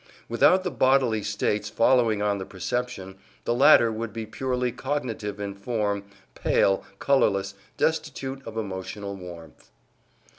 Without the bodily states following on the perception, the latter would be purely cognitive in form, pale, colourless, destitute of emotional warmth."